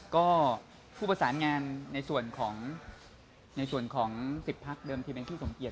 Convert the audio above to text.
ก็ผู้ประสานงานในส่วนของในส่วนของ๑๐พักเดิมที่เป็นผู้สมเกียจ